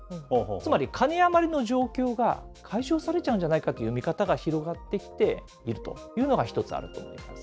つまり金余りの状況が解消されちゃうんじゃないかという見方が広がってきているというのが１つあります。